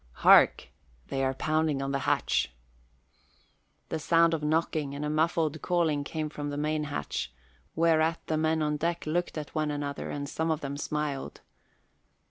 Hark! They are pounding on the hatch." The sound of knocking and a muffled calling came from the main hatch, whereat the men on deck looked at one another and some of them smiled.